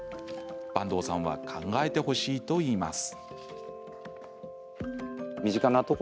坂東さんは考えてほしいといいます。